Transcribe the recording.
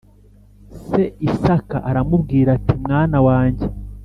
Se isaka aramubwira ati mwana wanjye